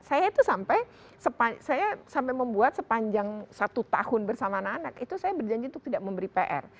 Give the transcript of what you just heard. saya itu sampai saya sampai membuat sepanjang satu tahun bersama anak anak itu saya berjanji untuk tidak memberi pr